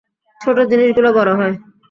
ছোট জিনিসগুলো বড় হয়।